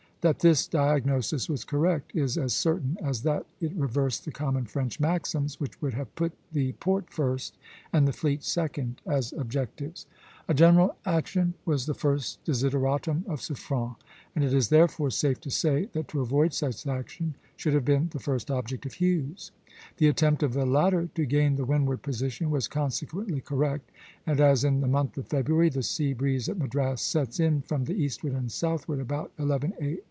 That this diagnosis was correct is as certain as that it reversed the common French maxims, which would have put the port first and the fleet second as objectives. A general action was the first desideratum of Suffren, and it is therefore safe to say that to avoid such action should have been the first object of Hughes. The attempt of the latter to gain the windward position was consequently correct; and as in the month of February the sea breeze at Madras sets in from the eastward and southward about eleven A.